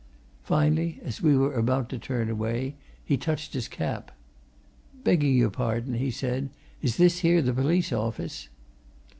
Finally, as we were about to turn away, he touched his cap. "Begging your pardon," he said; "is this here the police office?"